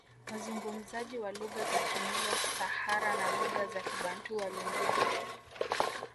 Wazungumzaji wa lugha za Kinilo Sahara na lugha za Kibantu waliingia